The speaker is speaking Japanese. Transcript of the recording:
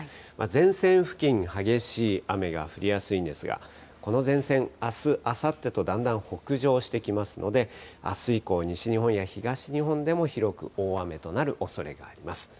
前線付近に激しい雨が降りやすいんですが、この前線、あす、あさってとだんだん北上してきますので、あす以降、西日本や東日本でも広く大雨となるおそれがあります。